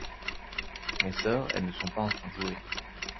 Mes sœurs, elles ne sont pas en train de jouer.